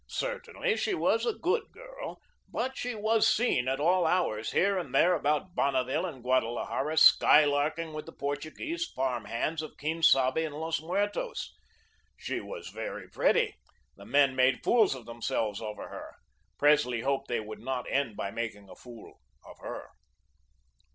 Certainly she was a good girl, but she was seen at all hours here and there about Bonneville and Guadalajara, skylarking with the Portuguese farm hands of Quien Sabe and Los Muertos. She was very pretty; the men made fools of themselves over her. Presley hoped they would not end by making a fool of her.